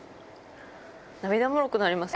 涙もろくなりません？